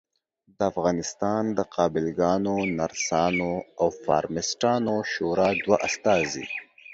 د افغانستان د قابلګانو ، نرسانو او فارمیسټانو شورا دوه استازي